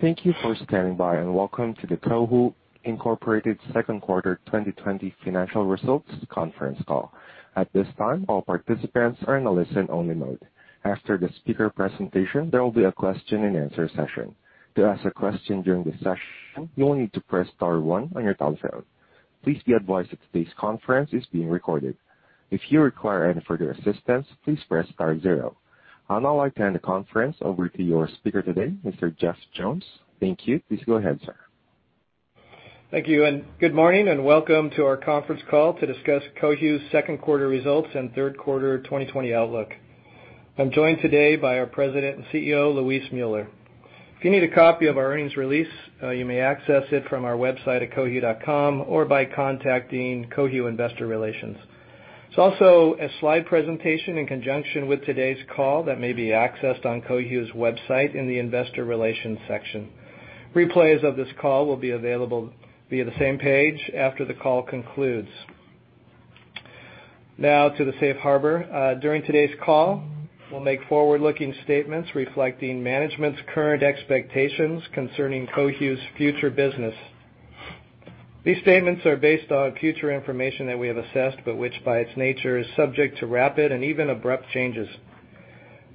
Thank you for standing by, and welcome to the Cohu, Inc. Q2 2020 financial results conference call. At this time, all participants are in a listen-only mode. After the speaker presentation, there will be a question and answer session. To ask a question during the session, you will need to press star one on your telephone. Please be advised that today's conference is being recorded. If you require any further assistance, please press star zero. I'll now hand the conference over to your speaker today, Mr. Jeff Jones. Thank you. Please go ahead, sir. Thank you, good morning, and welcome to our conference call to discuss Cohu's Q2 results and Q3 2020 outlook. I'm joined today by our President and CEO, Luis Müller. If you need a copy of our earnings release, you may access it from our website at cohu.com or by contacting Cohu Investor Relations. There's also a slide presentation in conjunction with today's call that may be accessed on Cohu's website in the investor relations section. Replays of this call will be available via the same page after the call concludes. Now to the safe harbor. During today's call, we'll make forward-looking statements reflecting management's current expectations concerning Cohu's future business. These statements are based on future information that we have assessed, but which by its nature, is subject to rapid and even abrupt changes.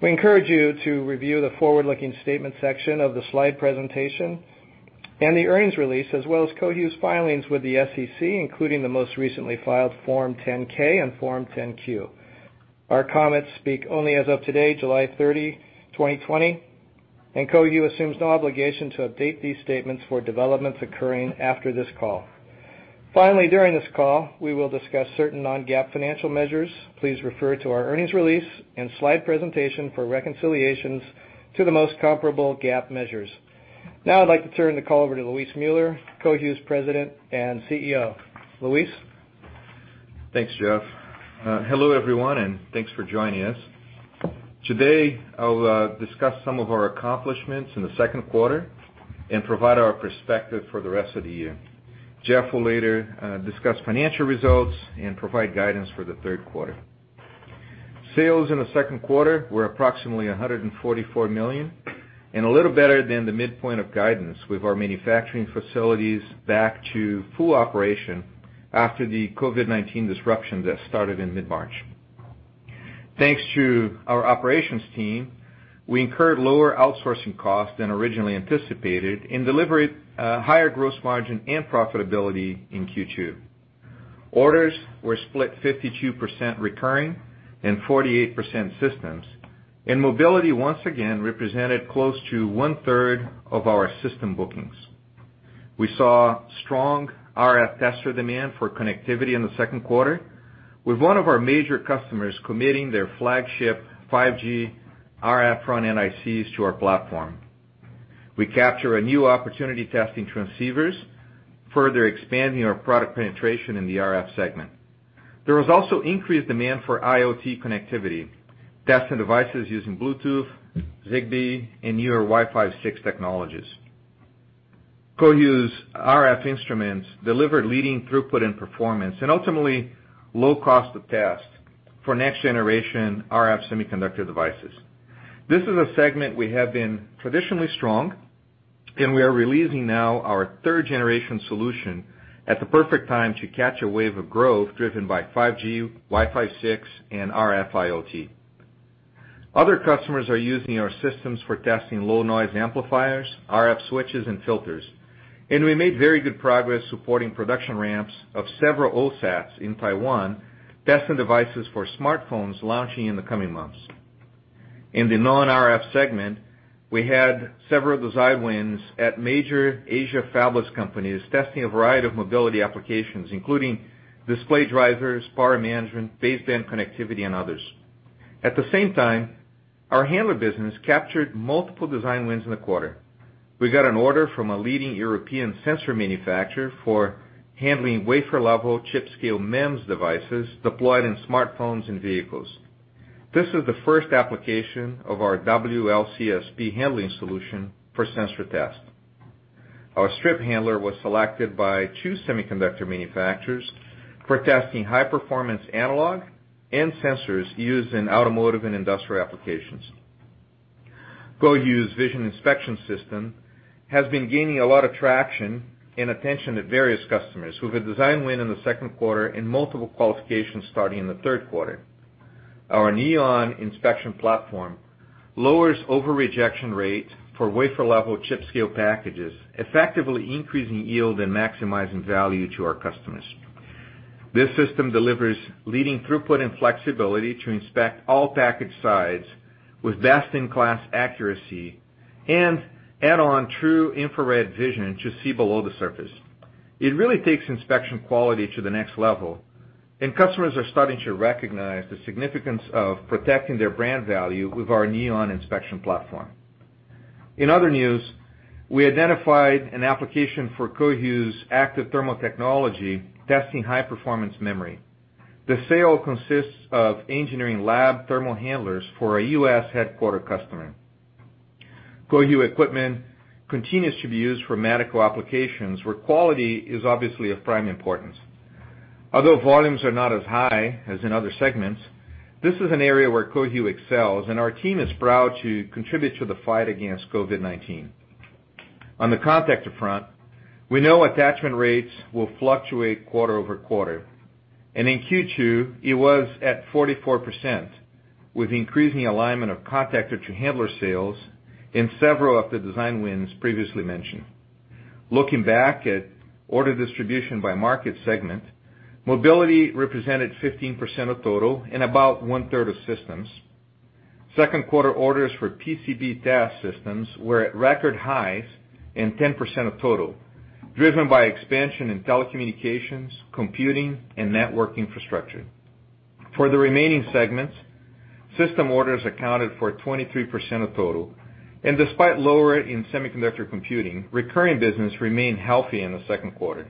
We encourage you to review the forward-looking statement section of the slide presentation and the earnings release, as well as Cohu's filings with the SEC, including the most recently filed Form 10-K and Form 10-Q. Our comments speak only as of today, July 30th, 2020, and Cohu assumes no obligation to update these statements for developments occurring after this call. Finally, during this call, we will discuss certain non-GAAP financial measures. Please refer to our earnings release and slide presentation for reconciliations to the most comparable GAAP measures. Now I'd like to turn the call over to Luis Müller, Cohu's President and CEO. Luis? Thanks, Jeff. Hello, everyone, and thanks for joining us. Today I'll discuss some of our accomplishments in the Q2 and provide our perspective for the rest of the year. Jeff will later discuss financial results and provide guidance for the Q3. Sales in the Q2 were approximately $144 million, and a little better than the midpoint of guidance with our manufacturing facilities back to full operation after the COVID-19 disruption that started in mid-March. Thanks to our operations team, we incurred lower outsourcing costs than originally anticipated and delivered higher gross margin and profitability in Q2. Orders were split 52% recurring and 48% systems. Mobility, once again, represented close to one-third of our system bookings. We saw strong RF tester demand for connectivity in the Q2, with one of our major customers committing their flagship 5G RF front-end ICs to our platform. We capture a new opportunity testing transceivers, further expanding our product penetration in the RF segment. There was also increased demand for IoT connectivity, testing devices using Bluetooth, Zigbee, and newer Wi-Fi 6 technologies. Cohu's RF instruments delivered leading throughput and performance, and ultimately, low cost of test for next generation RF semiconductor devices. This is a segment we have been traditionally strong, and we are releasing now our third generation solution at the perfect time to catch a wave of growth driven by 5G, Wi-Fi 6, and RF IoT. Other customers are using our systems for testing low noise amplifiers, RF switches, and filters. We made very good progress supporting production ramps of several OSATs in Taiwan, testing devices for smartphones launching in the coming months. In the non-RF segment, we had several design wins at major Asia fabless companies, testing a variety of mobility applications, including display drivers, power management, baseband connectivity, and others. At the same time, our handler business captured multiple design wins in the quarter. We got an order from a leading European sensor manufacturer for handling wafer level chip-scale MEMS devices deployed in smartphones and vehicles. This is the first application of our WLCSP handling solution for sensor test. Our strip handler was selected by two semiconductor manufacturers for testing high-performance analog and sensors used in automotive and industrial applications. Cohu's vision inspection system has been gaining a lot of traction and attention at various customers, with a design win in the Q2 and multiple qualifications starting in the Q3. Our Neon inspection platform lowers over-rejection rate for wafer level chip-scale packages, effectively increasing yield and maximizing value to our customers. This system delivers leading throughput and flexibility to inspect all package sides with best-in-class accuracy, and add-on true infrared vision to see below the surface. It really takes inspection quality to the next level, and customers are starting to recognize the significance of protecting their brand value with our Neon inspection platform. In other news, we identified an application for Cohu's active thermal technology, testing high-performance memory. The sale consists of engineering lab thermal handlers for a U.S.-headquartered customer. Cohu equipment continues to be used for medical applications, where quality is obviously of prime importance. Although volumes are not as high as in other segments, this is an area where Cohu excels, and our team is proud to contribute to the fight against COVID-19. On the contactor front, we know attachment rates will fluctuate quarter-over-quarter. In Q2, it was at 44%, with increasing alignment of contactor to handler sales in several of the design wins previously mentioned. Looking back at order distribution by market segment, mobility represented 15% of total and about one-third of systems. Q2 orders for PCB test systems were at record highs and 10% of total, driven by expansion in telecommunications, computing, and network infrastructure. For the remaining segments, system orders accounted for 23% of total, and despite lower in semiconductor computing, recurring business remained healthy in the Q2.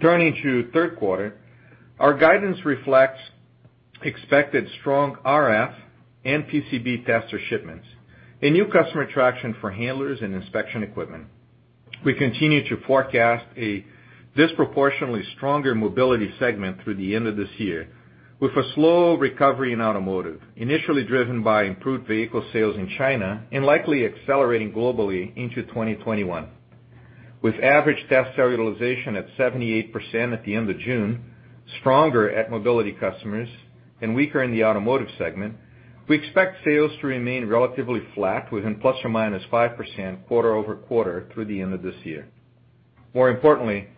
Turning to Q3, our guidance reflects expected strong RF and PCB tester shipments, a new customer traction for handlers and inspection equipment. We continue to forecast a disproportionately stronger mobility segment through the end of this year, with a slow recovery in automotive, initially driven by improved vehicle sales in China and likely accelerating globally into 2021. With average test cell utilization at 78% at the end of June, stronger at mobility customers and weaker in the automotive segment, we expect sales to remain relatively flat within ±5% quarter-over-quarter through the end of this year. More importantly,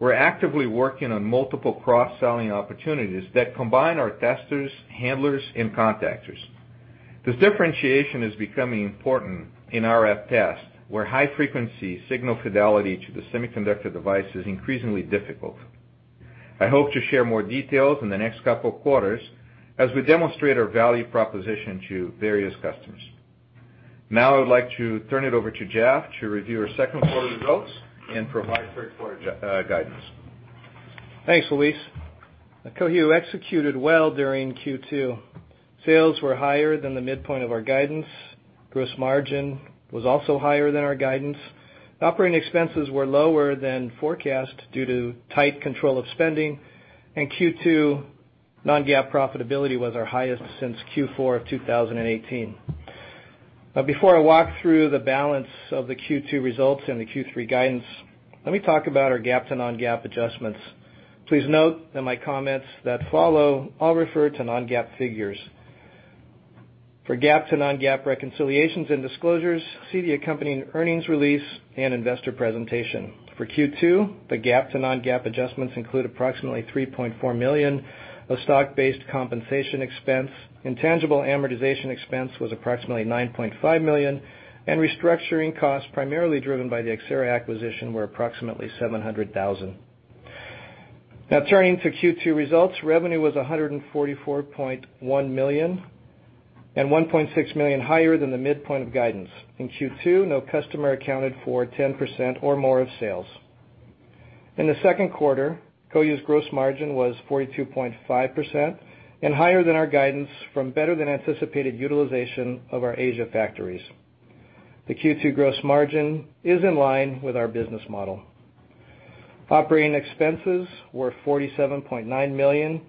we're actively working on multiple cross-selling opportunities that combine our testers, handlers, and contactors. This differentiation is becoming important in RF tests, where high-frequency signal fidelity to the semiconductor device is increasingly difficult. I hope to share more details in the next couple of quarters as we demonstrate our value proposition to various customers. Now I would like to turn it over to Jeff to review our Q2 results and provide Q3 guidance. Thanks, Luis. Cohu executed well during Q2. Sales were higher than the midpoint of our guidance. Gross margin was also higher than our guidance. Operating expenses were lower than forecast due to tight control of spending. Q2 non-GAAP profitability was our highest since Q4 of 2018. Before I walk through the balance of the Q2 results and the Q3 guidance, let me talk about our GAAP to non-GAAP adjustments. Please note that my comments that follow all refer to non-GAAP figures. For GAAP to non-GAAP reconciliations and disclosures, see the accompanying earnings release and investor presentation. For Q2, the GAAP to non-GAAP adjustments include approximately $3.4 million of stock-based compensation expense. Intangible amortization expense was approximately $9.5 million, and restructuring costs, primarily driven by the Xcerra acquisition, were approximately $700,000. Now, turning to Q2 results, revenue was $144.1 million and $1.6 million higher than the midpoint of guidance. In Q2, no customer accounted for 10% or more of sales. In the Q2, Cohu's gross margin was 42.5% and higher than our guidance from better than anticipated utilization of our Asia factories. The Q2 gross margin is in line with our business model. Operating expenses were $47.9 million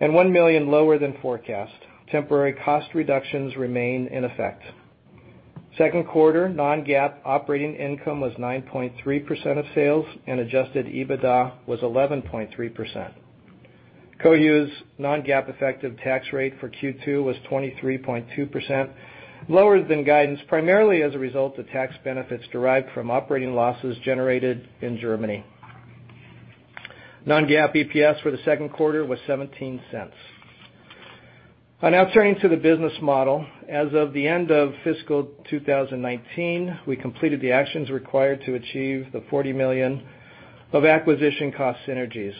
and $1 million lower than forecast. Temporary cost reductions remain in effect. Q2 non-GAAP operating income was 9.3% of sales, and adjusted EBITDA was 11.3%. Cohu's non-GAAP effective tax rate for Q2 was 23.2%, lower than guidance, primarily as a result of tax benefits derived from operating losses generated in Germany. Non-GAAP EPS for the Q2 was $0.17. Now turning to the business model. As of the end of fiscal 2019, we completed the actions required to achieve the $40 million of acquisition cost synergies.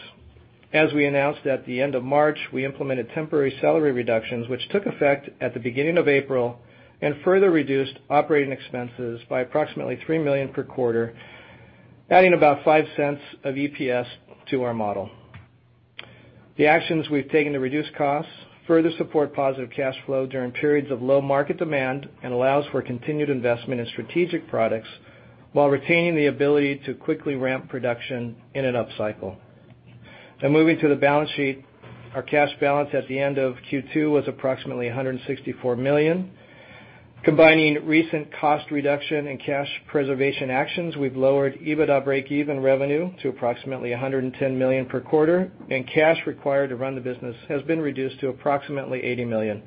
As we announced at the end of March, we implemented temporary salary reductions, which took effect at the beginning of April and further reduced operating expenses by approximately $3 million per quarter, adding about $0.05 of EPS to our model. The actions we've taken to reduce costs further support positive cash flow during periods of low market demand and allows for continued investment in strategic products while retaining the ability to quickly ramp production in an upcycle. Now moving to the balance sheet. Our cash balance at the end of Q2 was approximately $164 million. Combining recent cost reduction and cash preservation actions, we've lowered EBITDA breakeven revenue to approximately $110 million per quarter, and cash required to run the business has been reduced to approximately $80 million.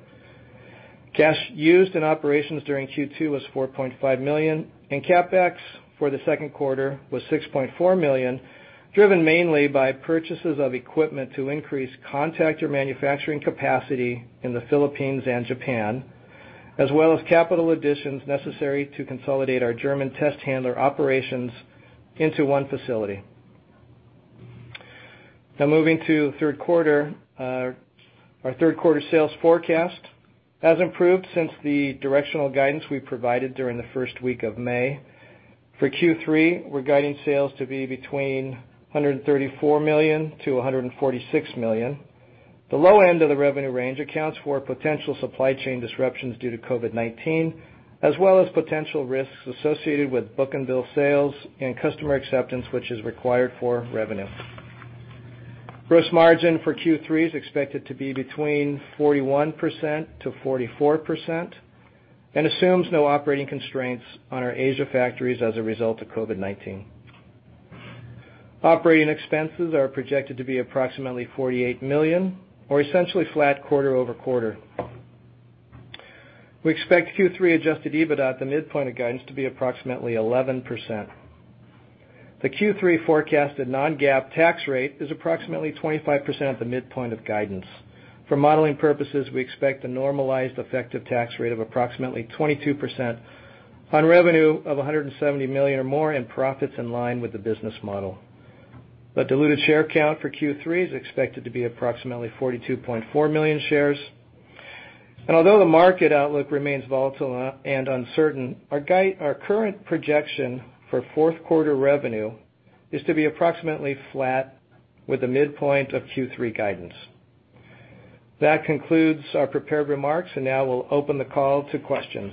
Cash used in operations during Q2 was $4.5 million, and CapEx for the Q2 was $6.4 million, driven mainly by purchases of equipment to increase contactor manufacturing capacity in the Philippines and Japan, as well as capital additions necessary to consolidate our German test handler operations into one facility. Moving to Q3. Our Q3 sales forecast has improved since the directional guidance we provided during the first week of May. For Q3, we're guiding sales to be between $134 million-$146 million. The low end of the revenue range accounts for potential supply chain disruptions due to COVID-19, as well as potential risks associated with book and bill sales and customer acceptance, which is required for revenue. Gross margin for Q3 is expected to be between 41%-44% and assumes no operating constraints on our Asia factories as a result of COVID-19. Operating expenses are projected to be approximately $48 million, or essentially flat quarter-over-quarter. We expect Q3 adjusted EBITDA at the midpoint of guidance to be approximately 11%. The Q3 forecasted non-GAAP tax rate is approximately 25% at the midpoint of guidance. For modeling purposes, we expect a normalized effective tax rate of approximately 22% on revenue of $170 million or more in profits in line with the business model. The diluted share count for Q3 is expected to be approximately 42.4 million shares. Although the market outlook remains volatile and uncertain, our current projection for Q4 revenue is to be approximately flat with the midpoint of Q3 guidance. That concludes our prepared remarks, and now we'll open the call to questions.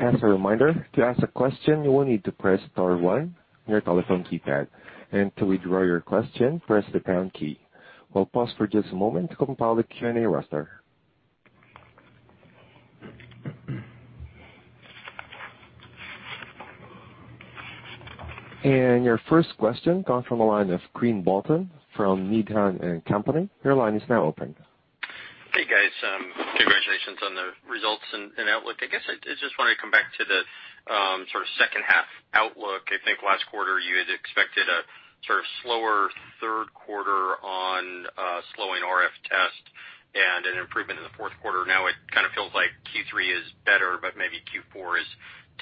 As a reminder, to ask a question, you will need to press star one on your telephone keypad, to withdraw your question, press the pound key. We'll pause for just a moment to compile the Q&A roster. Your first question comes from the line of Quinn Bolton from Needham & Company. Your line is now open. Hey, guys. Congratulations on the results and outlook. I guess I just wanted to come back to the sort of H2 outlook. I think last quarter you had expected a sort of slower Q3 on slowing RF test and an improvement in the Q4. Now it kind of feels like Q3 is better, maybe Q4 is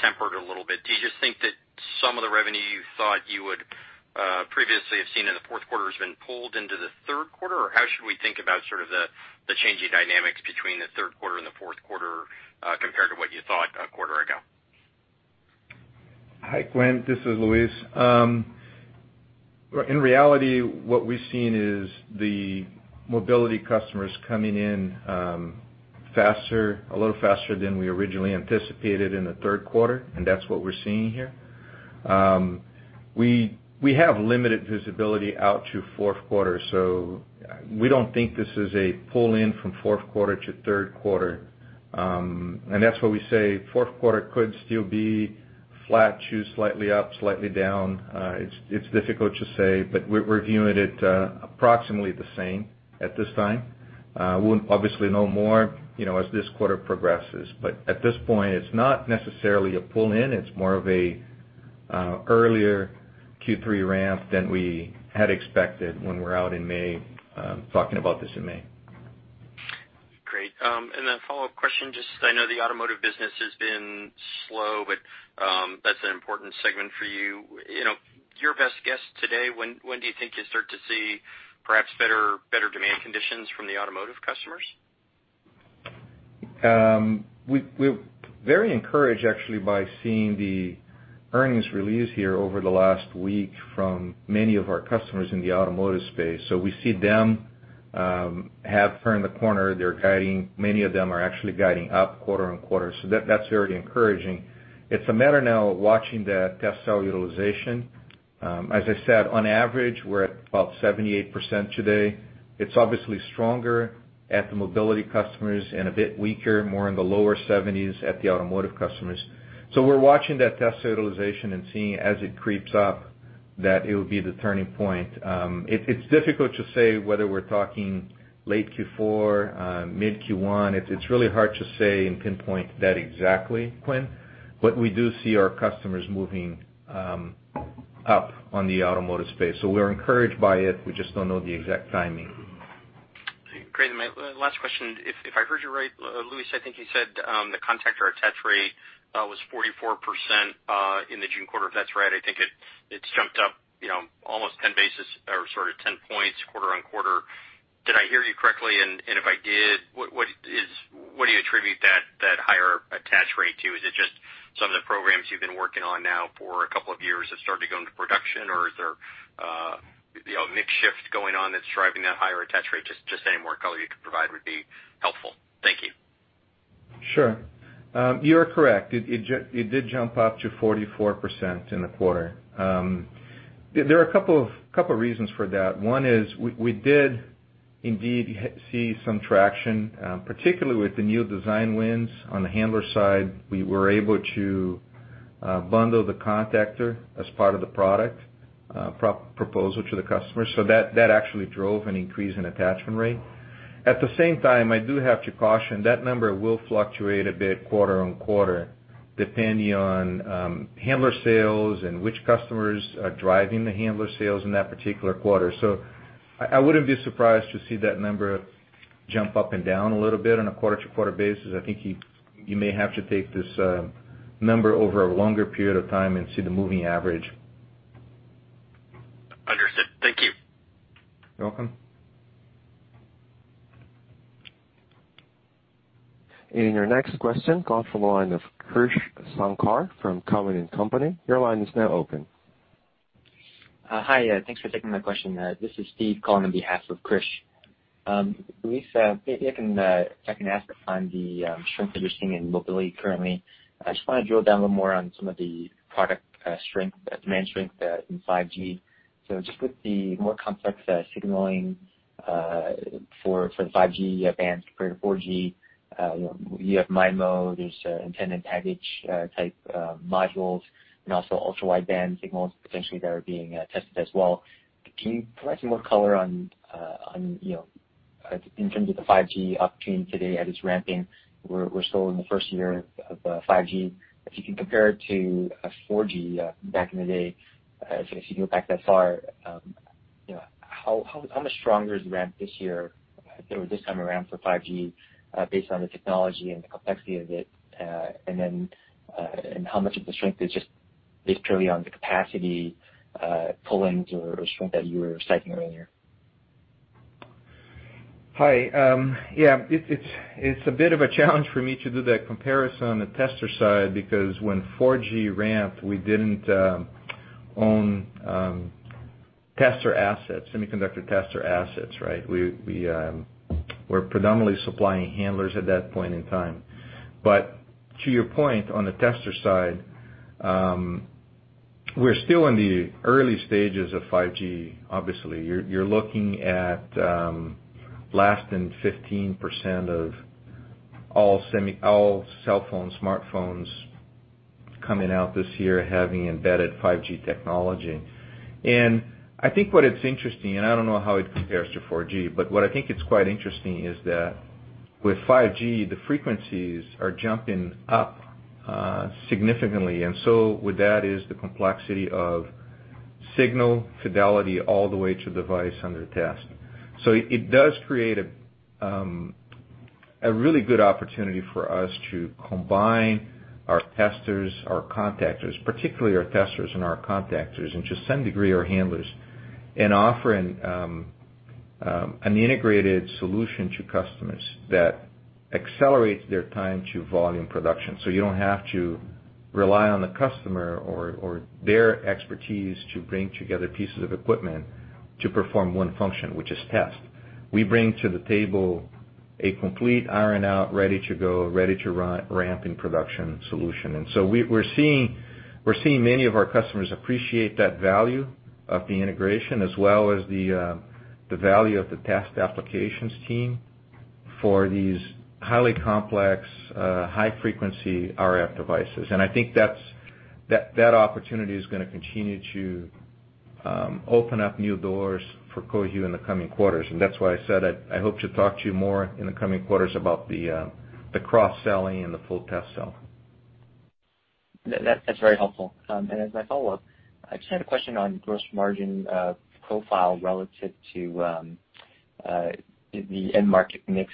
tempered a little bit. Do you just think that some of the revenue you thought you would previously have seen in the Q4 has been pulled into the Q3? How should we think about sort of the changing dynamics between the Q3 and the Q4, compared to what you thought a quarter ago? Hi, Quinn. This is Luis. In reality, what we've seen is the mobility customers coming in a little faster than we originally anticipated in the Q3. That's what we're seeing here. We have limited visibility out to Q4. We don't think this is a pull-in from Q4 to Q3. That's why we say Q4 could still be flat to slightly up, slightly down. It's difficult to say. We're viewing it at approximately the same at this time. We'll obviously know more as this quarter progresses. At this point, it's not necessarily a pull-in. It's more of an earlier Q3 ramp than we had expected when we were out in May, talking about this in May. Great. A follow-up question, just I know the automotive business has been slow, but that's an important segment for you. Your best guess today, when do you think you start to see perhaps better demand conditions from the automotive customers? We're very encouraged, actually, by seeing the earnings release here over the last week from many of our customers in the automotive space. We see them have turned the corner. Many of them are actually guiding up quarter on quarter. That's very encouraging. It's a matter now of watching the test cell utilization. As I said, on average, we're at about 78% today. It's obviously stronger at the mobility customers and a bit weaker, more in the lower 70s at the automotive customers. We're watching that test utilization and seeing as it creeps up, that it will be the turning point. It's difficult to say whether we're talking late Q4, mid Q1. It's really hard to say and pinpoint that exactly, Quinn. We do see our customers moving up on the automotive space, so we're encouraged by it. We just don't know the exact timing. Great. My last question, if I heard you right, Luis, I think you said the contactor attach rate was 44% in the June quarter. If that's right, I think it's jumped up almost 10 basis or sort of 10 points quarter-on-quarter. Did I hear you correctly? If I did, what do you attribute that higher attach rate to? Is it just some of the programs you've been working on now for a couple of years have started to go into production? Is there a mix shift going on that's driving that higher attach rate? Just any more color you could provide would be helpful. Thank you. Sure. You are correct. It did jump up to 44% in the quarter. There are a couple of reasons for that. One is we did indeed see some traction, particularly with the new design wins on the handler side. We were able to bundle the contactor as part of the product proposal to the customer. That actually drove an increase in attachment rate. At the same time, I do have to caution, that number will fluctuate a bit quarter-on-quarter, depending on handler sales and which customers are driving the handler sales in that particular quarter. I wouldn't be surprised to see that number jump up and down a little bit on a quarter-to-quarter basis. I think you may have to take this number over a longer period of time and see the moving average. Understood. Thank you. You're welcome. Your next question comes from the line of Krish Sankar from Cowen and Company. Your line is now open. Hi. Thanks for taking my question. This is Steve calling on behalf of Krish. Luis, if I can ask on the strength that you're seeing in mobility currently. I just want to drill down a little more on some of the product strength, demand strength in 5G. Just with the more complex signaling for the 5G bands compared to 4G, you have MIMO, there's antenna package type modules, and also ultra-wideband signals potentially that are being tested as well. Can you provide some more color on, in terms of the 5G opportunity today as it's ramping? We're still in the first year of 5G. If you can compare it to 4G back in the day, if you go back that far, how much stronger is the ramp this year or this time around for 5G, based on the technology and the complexity of it? How much of the strength is just based purely on the capacity pull-ins or strength that you were citing earlier? Hi. Yeah. It's a bit of a challenge for me to do that comparison on the tester side, because when 4G ramped, we didn't own tester assets, semiconductor tester assets, right? We're predominantly supplying handlers at that point in time. To your point on the tester side, we're still in the early stages of 5G, obviously. You're looking at less than 15% of all cell phones, smartphones coming out this year having embedded 5G technology. I think what it's interesting, and I don't know how it compares to 4G, but what I think it's quite interesting is that with 5G, the frequencies are jumping up significantly. With that is the complexity of signal fidelity all the way to device under test. It does create a really good opportunity for us to combine our testers, our contactors, particularly our testers and our contactors, and to some degree, our handlers, and offer an integrated solution to customers that accelerates their time to volume production. You don't have to rely on the customer or their expertise to bring together pieces of equipment to perform one function, which is test. We bring to the table a complete ironed out, ready to go, ready to ramp in production solution. We're seeing many of our customers appreciate that value of the integration as well as the value of the test applications team for these highly complex, high-frequency RF devices. I think that opportunity is going to continue to open up new doors for Cohu in the coming quarters. That's why I said I hope to talk to you more in the coming quarters about the cross-selling and the full test cell. That's very helpful. As my follow-up, I just had a question on gross margin profile relative to the end market mix.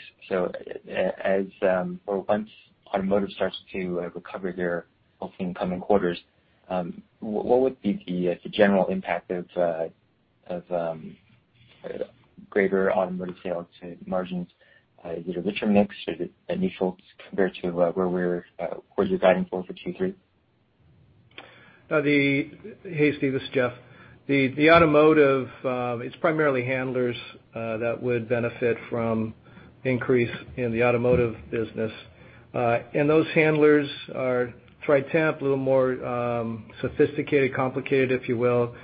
Once automotive starts to recover here, hopefully in the coming quarters, what would be the general impact of greater automotive sales to margins? Is it a richer mix? Is it initial compared to where you're guiding for Q3? Hey, Steve, this is Jeff. The automotive, it's primarily handlers that would benefit from increase in the automotive business. Those handlers are tri-temp, a little more sophisticated, complicated, if you will.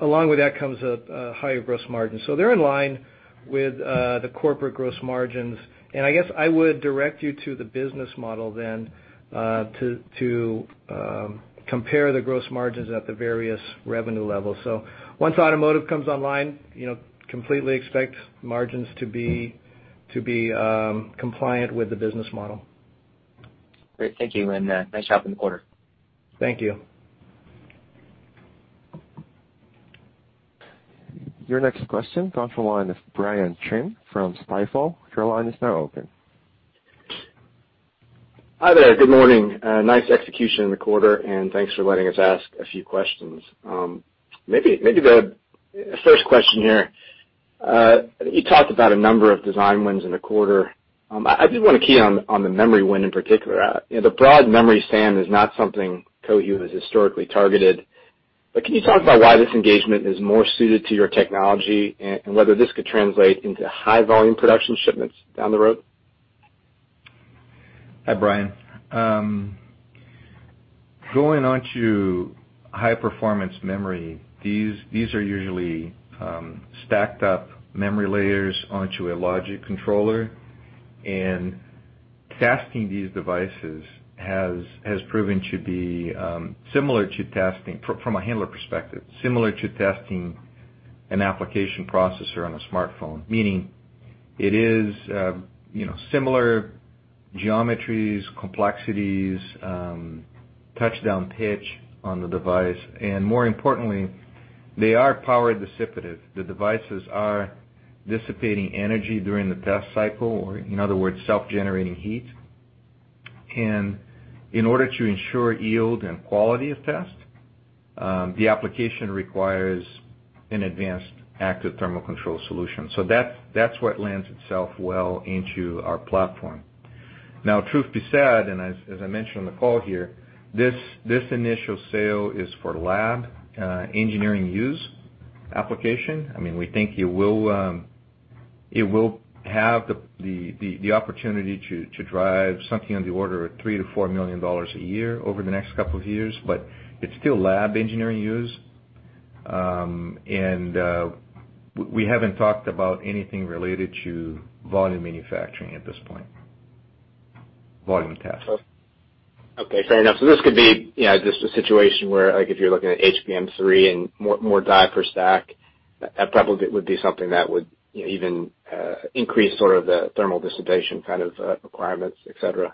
Along with that comes a higher gross margin. They're in line with the corporate gross margins. I guess I would direct you to the business model then to compare the gross margins at the various revenue levels. Once automotive comes online, completely expect margins to be compliant with the business model. Great. Thank you, and nice job in the quarter. Thank you. Your next question comes from the line of Brian Chin from Stifel. Your line is now open. Hi there. Good morning. Nice execution in the quarter, and thanks for letting us ask a few questions. Maybe the first question here. You talked about a number of design wins in the quarter. I did want to key on the memory win in particular. The broad memory segment is not something Cohu has historically targeted, but can you talk about why this engagement is more suited to your technology and whether this could translate into high volume production shipments down the road? Hi, Brian. Going on to high-performance memory, these are usually stacked up memory layers onto a logic controller, and testing these devices has proven to be similar to testing, from a handler perspective, similar to testing an application processor on a smartphone, meaning it is similar geometries, complexities, touchdown pitch on the device, and more importantly, they are power dissipative. The devices are dissipating energy during the test cycle, or in other words, self-generating heat. In order to ensure yield and quality of test, the application requires an advanced active thermal control solution. That's what lends itself well into our platform. Truth be said, and as I mentioned on the call here, this initial sale is for lab engineering use application. We think it will have the opportunity to drive something on the order of $3 million-$4 million a year over the next couple of years. It's still lab engineering use. We haven't talked about anything related to volume manufacturing at this point. Volume test. Okay. Fair enough. This could be just a situation where, if you're looking at HBM3 and more die per stack, that probably would be something that would even increase sort of the thermal dissipation kind of requirements, et cetera.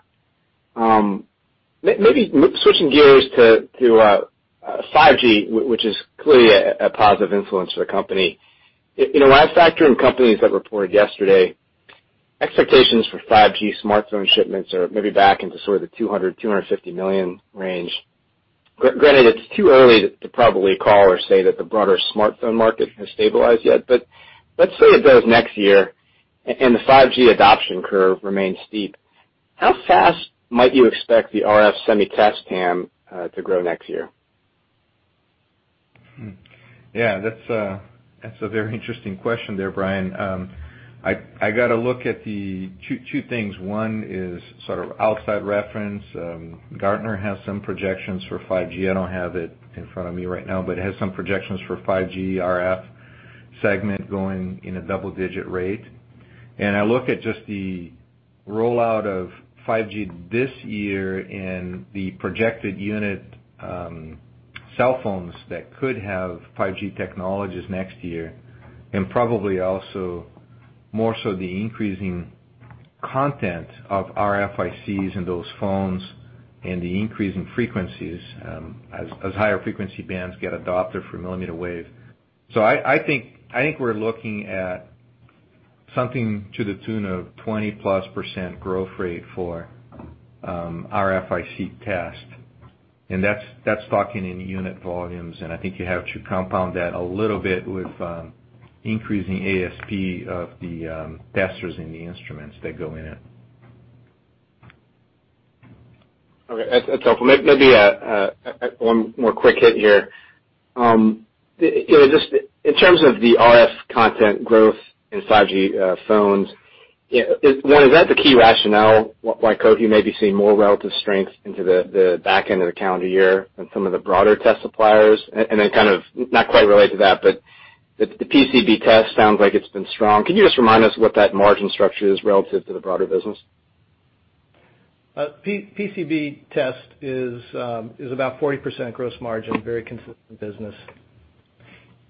Maybe switching gears to 5G, which is clearly a positive influence for the company. In a last factor in companies that reported yesterday, expectations for 5G smartphone shipments are maybe back into sort of the $200 million-$250 million range. Granted, it's too early to probably call or say that the broader smartphone market has stabilized yet. Let's say it does next year, and the 5G adoption curve remains steep. How fast might you expect the RF Semi Test TAM to grow next year? Yeah, that's a very interesting question there, Brian. I got a look at the two things. One is sort of outside reference. Gartner has some projections for 5G. I don't have it in front of me right now, but it has some projections for 5G RF segment going in a double-digit rate. I look at just the rollout of 5G this year and the projected unit cell phones that could have 5G technologies next year, and probably also more so the increasing content of RFICs in those phones and the increase in frequencies as higher frequency bands get adopted for millimeter wave. I think we're looking at something to the tune of 20-plus % growth rate for RFIC test, and that's talking in unit volumes, and I think you have to compound that a little bit with increasing ASP of the testers and the instruments that go in it. Okay. That's helpful. Maybe one more quick hit here. Just in terms of the RF content growth in 5G phones, one, is that the key rationale why Cohu may be seeing more relative strength into the back end of the calendar year than some of the broader test suppliers? Kind of, not quite related to that, but the PCB test sounds like it's been strong. Can you just remind us what that margin structure is relative to the broader business? PCB test is about 40% gross margin, very consistent business.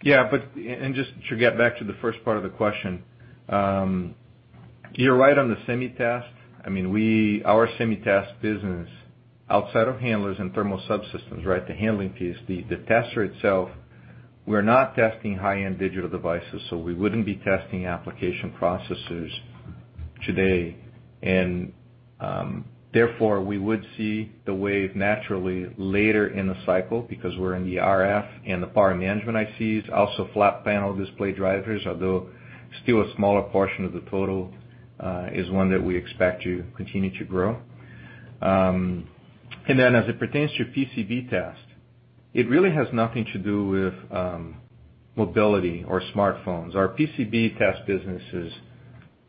Just to get back to the first part of the question. You're right on the semi test. Our semi test business, outside of handlers and thermal subsystems, the handling piece, the tester itself, we're not testing high-end digital devices, so we wouldn't be testing application processors today. Therefore, we would see the wave naturally later in the cycle because we're in the RF and the power management ICs. Also flat panel display drivers, although still a smaller portion of the total, is one that we expect to continue to grow. As it pertains to PCB test, it really has nothing to do with mobility or smartphones. Our PCB test business is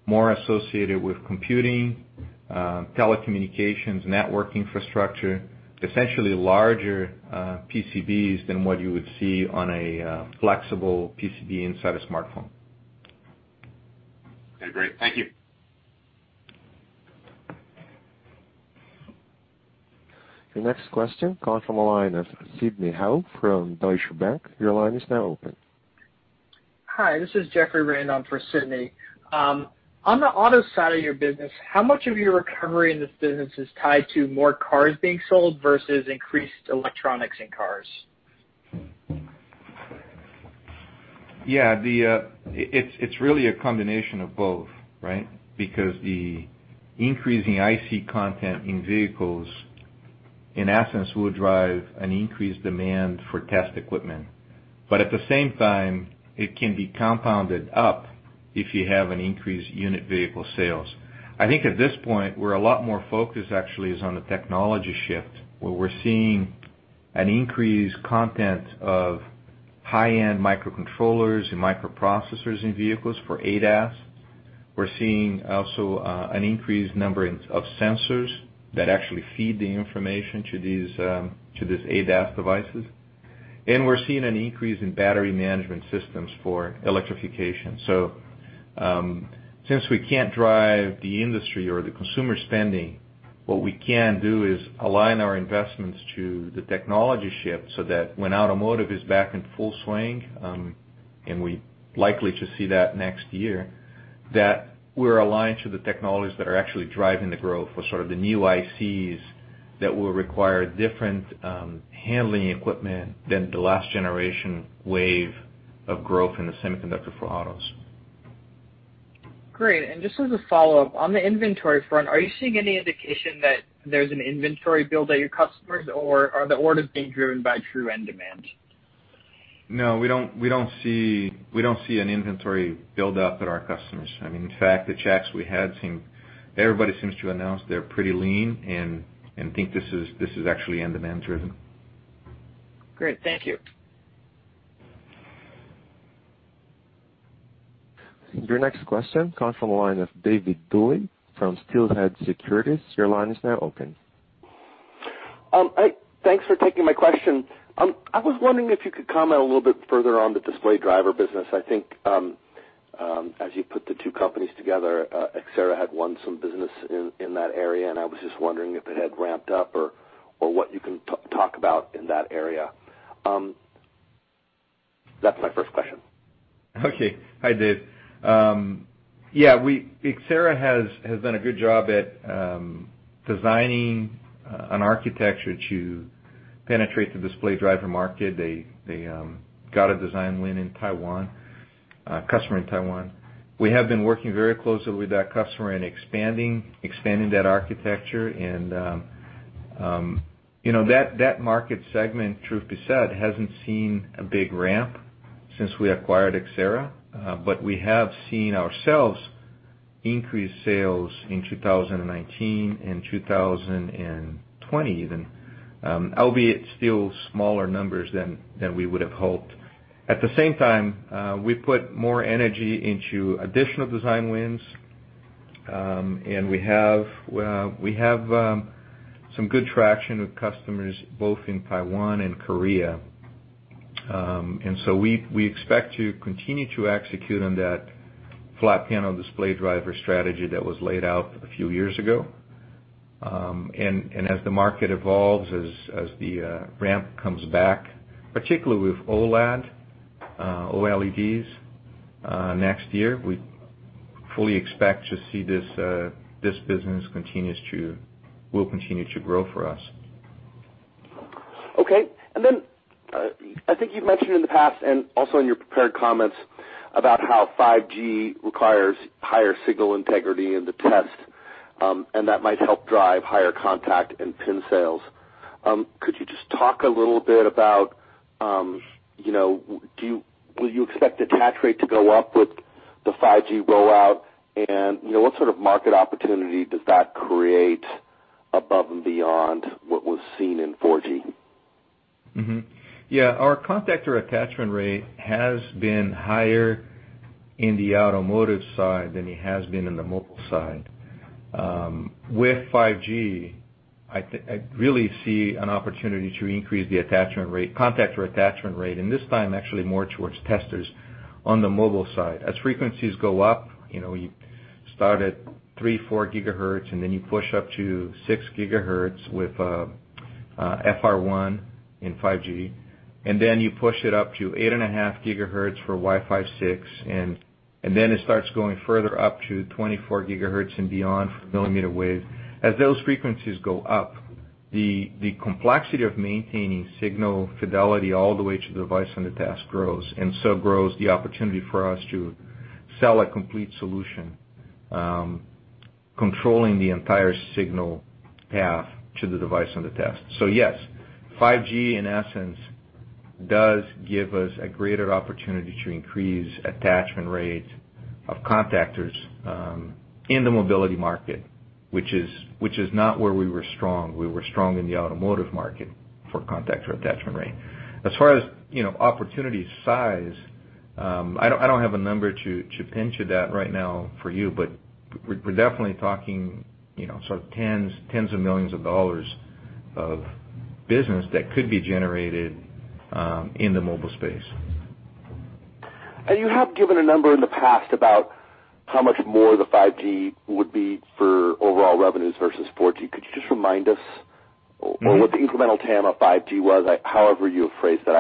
more associated with computing, telecommunications, network infrastructure, essentially larger PCBs than what you would see on a flexible PCB inside a smartphone. Okay, great. Thank you. Your next question comes from the line of Sidney Ho from Deutsche Bank. Your line is now open. Hi, this is Jeffrey Rand for Sidney. On the auto side of your business, how much of your recovery in this business is tied to more cars being sold versus increased electronics in cars? Yeah. It's really a combination of both. The increasing IC content in vehicles, in essence, will drive an increased demand for test equipment. At the same time, it can be compounded up if you have an increased unit vehicle sales. I think at this point, we're a lot more focused actually is on the technology shift, where we're seeing an increased content of high-end microcontrollers and microprocessors in vehicles for ADAS. We're seeing also an increased number of sensors that actually feed the information to these ADAS devices. We're seeing an increase in battery management systems for electrification. Since we can't drive the industry or the consumer spending, what we can do is align our investments to the technology shift so that when automotive is back in full swing, and we're likely to see that next year, that we're aligned to the technologies that are actually driving the growth for sort of the new ICs that will require different handling equipment than the last generation wave of growth in the semiconductor for autos. Great. Just as a follow-up, on the inventory front, are you seeing any indication that there's an inventory build at your customers, or are the orders being driven by true end demand? No, we don't see an inventory buildup at our customers. In fact, the checks we had, everybody seems to announce they're pretty lean, and think this is actually end demand driven. Great. Thank you. Your next question comes from the line of David Duley from Steelhead Securities. Your line is now open. Thanks for taking my question. I was wondering if you could comment a little bit further on the display driver business. I think, as you put the two companies together, Xcerra had won some business in that area, and I was just wondering if it had ramped up or what you can talk about in that area. That's my first question. Okay. Hi, Dave. Yeah, Xcerra has done a good job at designing an architecture to penetrate the display driver market. They got a design win in Taiwan, a customer in Taiwan. We have been working very closely with that customer and expanding that architecture. That market segment, truth be said, hasn't seen a big ramp since we acquired Xcerra. We have seen ourselves increase sales in 2019, in 2020 even, albeit still smaller numbers than we would have hoped. At the same time, we put more energy into additional design wins, and we have some good traction with customers both in Taiwan and Korea. We expect to continue to execute on that flat panel display driver strategy that was laid out a few years ago. As the market evolves, as the ramp comes back, particularly with OLEDs, next year, we fully expect to see this business will continue to grow for us. Okay. Then, I think you've mentioned in the past and also in your prepared comments about how 5G requires higher signal integrity in the test, and that might help drive higher contact and pin sales. Could you just talk a little bit about, will you expect attach rate to go up with the 5G rollout? What sort of market opportunity does that create above and beyond what was seen in 4G? Yeah, our contactor attachment rate has been higher in the automotive side than it has been in the mobile side. With 5G, I really see an opportunity to increase the attachment rate, contactor attachment rate, and this time, actually more towards testers on the mobile side. As frequencies go up, you start at 3, 4 GHz, and then you push up to 6 GHz with FR1 in 5G, and then you push it up to 8.5 GHz for Wi-Fi 6, and then it starts going further up to 24 GHz and beyond for millimeter wave. As those frequencies go up, the complexity of maintaining signal fidelity all the way to the device under test grows, and so grows the opportunity for us to sell a complete solution, controlling the entire signal path to the device under test. Yes, 5G, in essence, does give us a greater opportunity to increase attachment rates of contactors in the mobility market, which is not where we were strong. We were strong in the automotive market for contactor attachment rate. As far as opportunity size, I don't have a number to pinch at that right now for you, but we're definitely talking tens of millions of dollars of business that could be generated in the mobile space. You have given a number in the past about how much more the 5G would be for overall revenues versus 4G. Could you just remind us what the incremental TAM of 5G was? However you phrased that,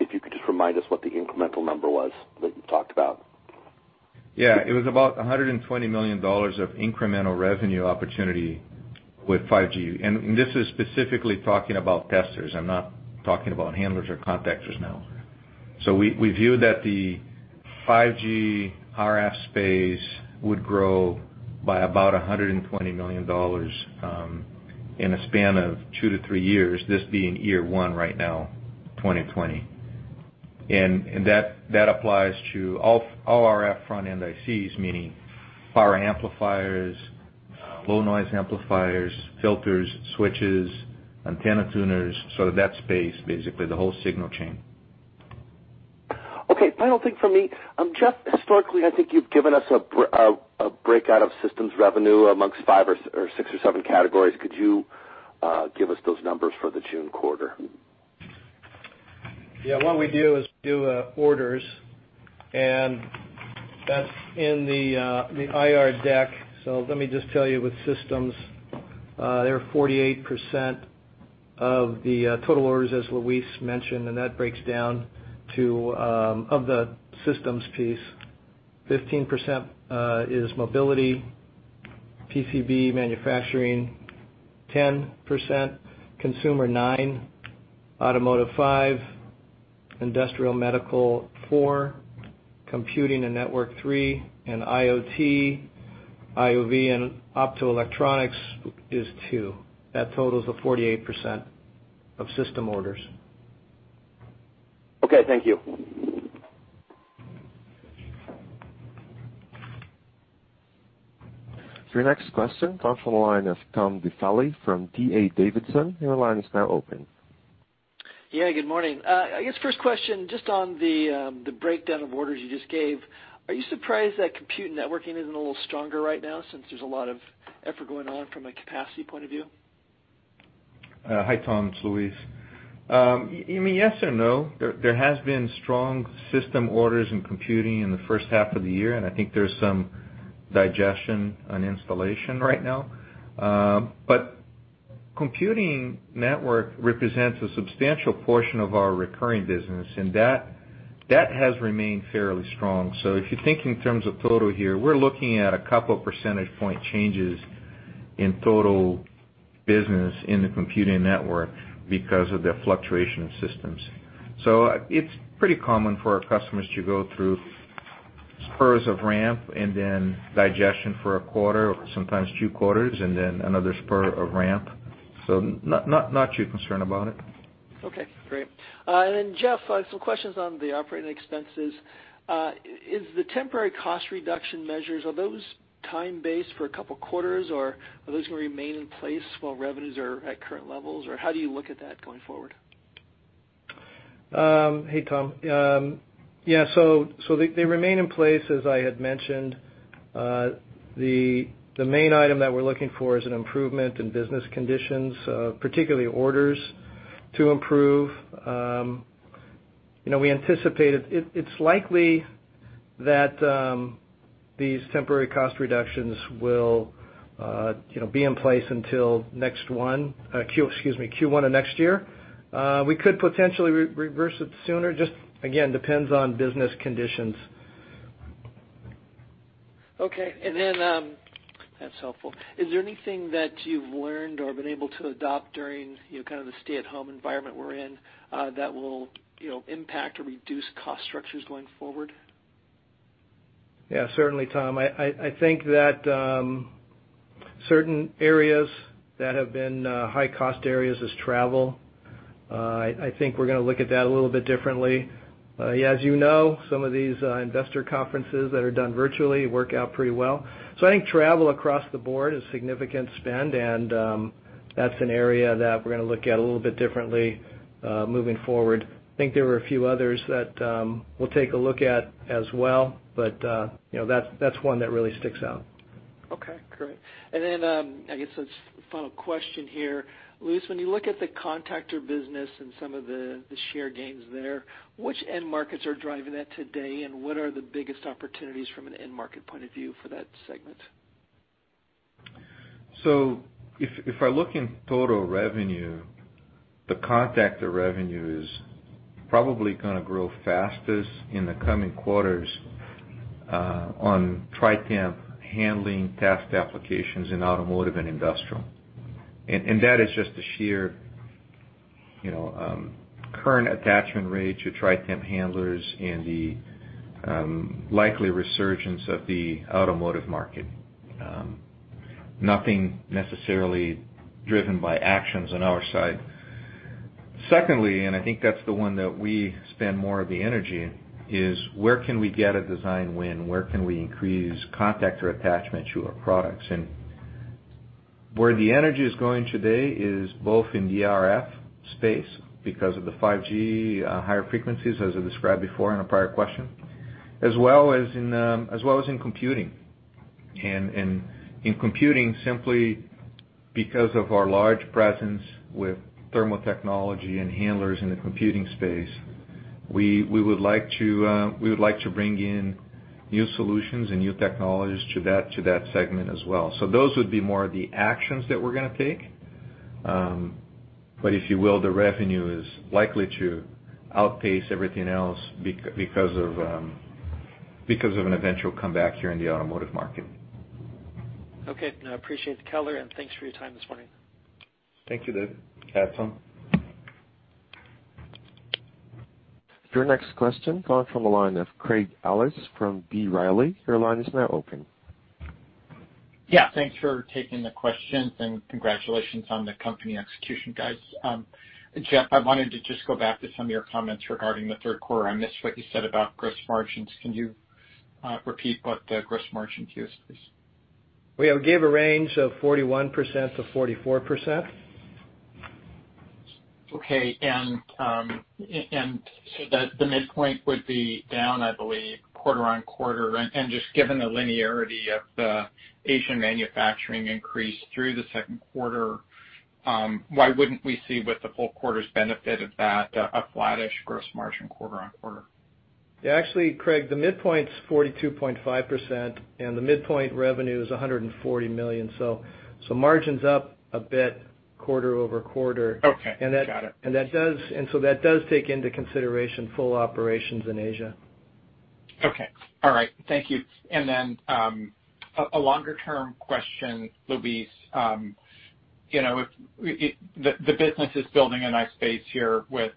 if you could just remind us what the incremental number was that you talked about. Yeah. It was about $120 million of incremental revenue opportunity with 5G. This is specifically talking about testers. I'm not talking about handlers or contactors now. We viewed that the 5G RF space would grow by about $120 million in a span of two to three years, this being year one right now, 2020. That applies to all RF front-end ICs, meaning power amplifiers, low noise amplifiers, filters, switches, antenna tuners, sort of that space, basically, the whole signal chain. Okay. Final thing from me. Jeff, historically, I think you've given us a breakout of systems revenue amongst five or six or seven categories. Could you give us those numbers for the June quarter? Yeah. What we do is do orders, and that's in the IR deck. Let me just tell you with systems, they're 48% of the total orders, as Luis mentioned, and that breaks down to, of the systems piece, 15% is mobility PCB manufacturing, 10% consumer, 9% automotive, 5% industrial/medical, 4% computing and network, 3%, and IoT, IoV, and optoelectronics is 2%. That totals the 48% of system orders. Okay. Thank you. Your next question comes from the line of Tom Diffely from D.A. Davidson. Your line is now open. Yeah, good morning. I guess first question, just on the breakdown of orders you just gave, are you surprised that compute networking isn't a little stronger right now since there's a lot of effort going on from a capacity point of view? Hi, Tom, it's Luis. Yes or no. There has been strong system orders in computing in the H1 of the year, and I think there's some digestion on installation right now. Computing network represents a substantial portion of our recurring business, and that has remained fairly strong. If you think in terms of total here, we're looking at a couple percentage point changes in total business in the computing network because of the fluctuation of systems. It's pretty common for our customers to go through spurs of ramp and then digestion for a quarter, sometimes two quarters, and then another spur of ramp. Not too concerned about it. Okay, great. Jeff, some questions on the operating expenses. Is the temporary cost reduction measures, are those time-based for a couple quarters, or are those going to remain in place while revenues are at current levels, or how do you look at that going forward? Hey, Tom. Yeah, they remain in place, as I had mentioned. The main item that we're looking for is an improvement in business conditions, particularly orders to improve. We anticipate it's likely that these temporary cost reductions will be in place until, excuse me, Q1 of next year. We could potentially reverse it sooner, just again, depends on business conditions. Okay. That's helpful. Is there anything that you've learned or been able to adopt during the stay-at-home environment we're in that will impact or reduce cost structures going forward? Yeah, certainly, Tom. I think that certain areas that have been high-cost areas is travel. I think we're going to look at that a little bit differently. As you know, some of these investor conferences that are done virtually work out pretty well. I think travel across the board is significant spend, and that's an area that we're going to look at a little bit differently moving forward. I think there were a few others that we'll take a look at as well, but that's one that really sticks out. Okay, great. I guess just a final question here. Luis, when you look at the contactor business and some of the share gains there, which end markets are driving that today, and what are the biggest opportunities from an end market point of view for that segment? If I look in total revenue, the contactor revenue is probably going to grow fastest in the coming quarters on tri-temp handling test applications in automotive and industrial. That is just the sheer current attachment rate to tri-temp handlers and the likely resurgence of the automotive market. Nothing necessarily driven by actions on our side. Secondly, I think that's the one that we spend more of the energy, is where can we get a design win? Where can we increase contactor attachment to our products? Where the energy is going today is both in the RF space because of the 5G higher frequencies, as I described before in a prior question, as well as in computing. In computing, simply because of our large presence with thermal technology and handlers in the computing space, we would like to bring in new solutions and new technologies to that segment as well. Those would be more of the actions that we're going to take. If you will, the revenue is likely to outpace everything else because of an eventual comeback here in the automotive market. Okay. No, I appreciate the color, and thanks for your time this morning. Thank you, Tom. Have fun. Your next question comes from the line of Craig Ellis from B. Riley. Your line is now open. Yeah, thanks for taking the questions. Congratulations on the company execution, guys. Jeff, I wanted to just go back to some of your comments regarding the Q3. I missed what you said about gross margins. Can you repeat what the gross margin is, please? We gave a range of 41%-44%. Okay. That the midpoint would be down, I believe, quarter on quarter. Just given the linearity of the Asian manufacturing increase through the Q2, why wouldn't we see what the full quarter's benefit of that, a flattish gross margin quarter on quarter? Actually, Craig, the midpoint's 42.5%, and the midpoint revenue is $140 million. Margin's up a bit quarter-over-quarter. Okay. Got it. That does take into consideration full operations in Asia. Okay. All right. Thank you. A longer-term question, Luis. The business is building a nice base here with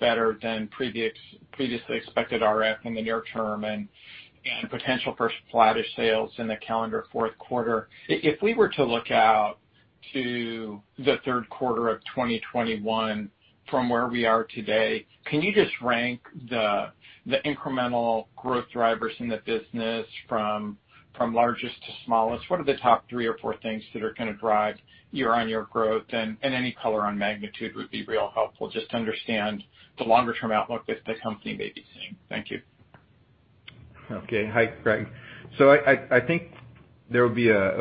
better than previously expected RF in the near term and potential for flattish sales in the calendar Q4. If we were to look out to the Q3 of 2021 from where we are today, can you just rank the incremental growth drivers in the business from largest to smallest? What are the top three or four things that are going to drive year-on-year growth? Any color on magnitude would be real helpful just to understand the longer-term outlook that the company may be seeing. Thank you. Okay. Hi, Craig. I think there will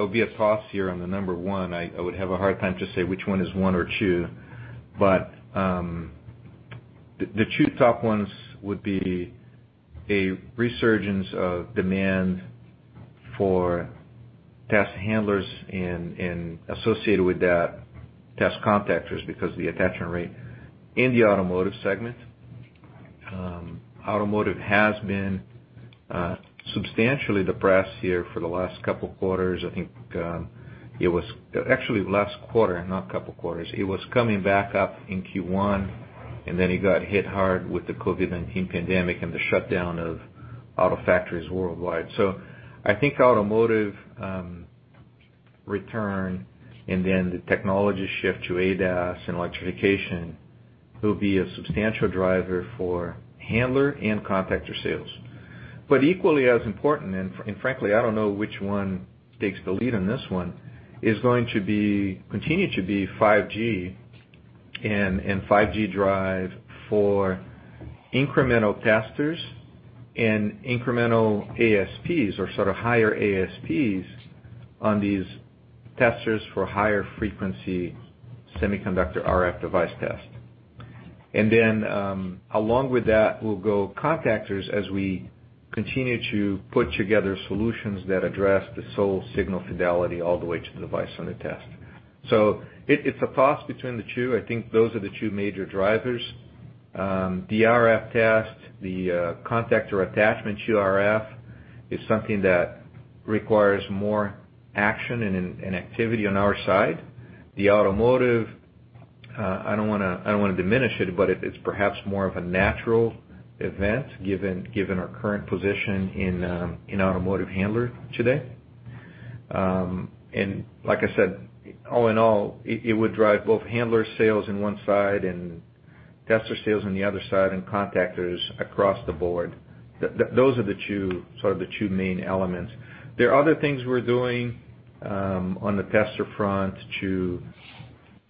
be a toss here on the number one. I would have a hard time to say which one is one or two. The two top ones would be a resurgence of demand for test handlers and associated with that, test contactors because of the attachment rate in the automotive segment. Automotive has been substantially depressed here for the last couple of quarters. I think it was actually last quarter, not couple quarters. It was coming back up in Q1, then it got hit hard with the COVID-19 pandemic and the shutdown of auto factories worldwide. I think automotive return and then the technology shift to ADAS and electrification will be a substantial driver for handler and contactor sales. Equally as important, and frankly, I don't know which one takes the lead on this one, is going to continue to be 5G, and 5G drive for incremental testers and incremental ASPs or sort of higher ASPs on these testers for higher frequency semiconductor RF device test. Along with that will go contactors as we continue to put together solutions that address the sole signal fidelity all the way to the device on the test. It's a toss between the two. I think those are the two major drivers. The RF test, the contactor attachment to RF is something that requires more action and activity on our side. The automotive, I don't want to diminish it, but it's perhaps more of a natural event given our current position in automotive handler today. Like I said, all in all, it would drive both handler sales in one side and tester sales on the other side and contactors across the board. Those are sort of the two main elements. There are other things we're doing on the tester front to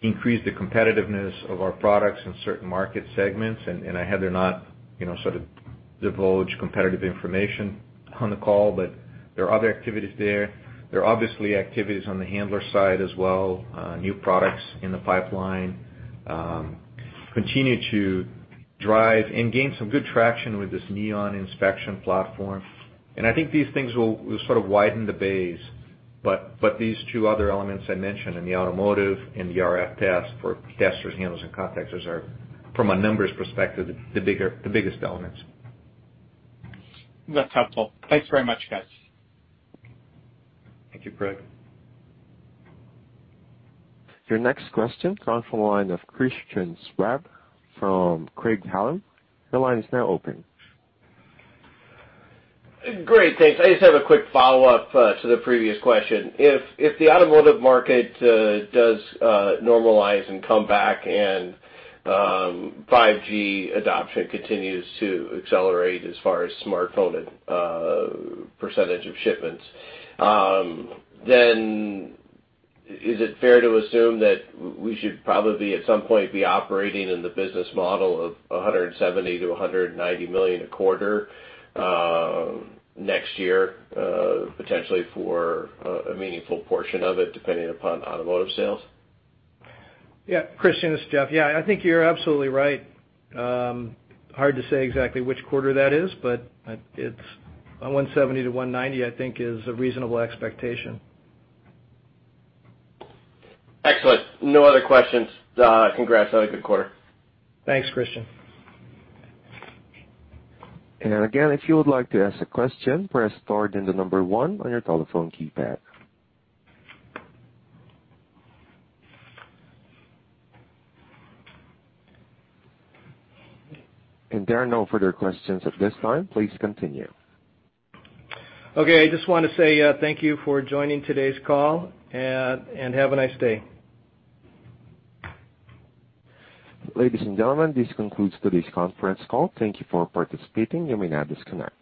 increase the competitiveness of our products in certain market segments, and I'd rather not sort of divulge competitive information on the call, but there are other activities there. There are obviously activities on the handler side as well. New products in the pipeline. Continue to drive and gain some good traction with this Neon inspection platform. I think these things will sort of widen the base, but these two other elements I mentioned in the automotive and the RF test for testers, handlers, and contactors are, from a numbers perspective, the biggest elements. That's helpful. Thanks very much, guys. Thank you, Craig. Your next question comes from the line of Christian Schwab from Craig-Hallum. Your line is now open. Great. Thanks. I just have a quick follow-up to the previous question. If the automotive market does normalize and come back and 5G adoption continues to accelerate as far as smartphone percentage of shipments, then is it fair to assume that we should probably, at some point, be operating in the business model of $170 million-$190 million a quarter next year potentially for a meaningful portion of it, depending upon automotive sales? Yeah. Christian, this is Jeff. Yeah, I think you're absolutely right. Hard to say exactly which quarter that is, but it's $170-$190, I think is a reasonable expectation. Excellent. No other questions. Congrats on a good quarter. Thanks, Christian. Again, if you would like to ask a question, press star then the number one on your telephone keypad. There are no further questions at this time. Please continue. Okay. I just want to say thank you for joining today's call, and have a nice day. Ladies and gentlemen, this concludes today's conference call. Thank you for participating. You may now disconnect.